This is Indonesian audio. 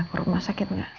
berdua soal papa ya